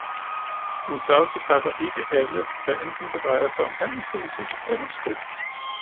En størrelse passer ikke alle, hvad enten det drejer sig om handelspolitik eller sko.